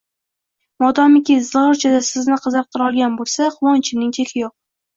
Modomiki, zig`ircha-da Sizni qiziqtirolgan bo`lsa, quvonchimning cheki yo`q